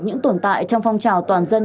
những tồn tại trong phong trào toàn dân